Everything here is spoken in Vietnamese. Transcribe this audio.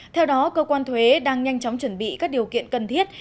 theo đó cơ quan thuế đang nhanh chóng chuẩn bị các điều kiện cần thiết